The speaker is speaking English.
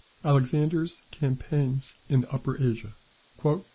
Alexander's campaigns in Upper Asia.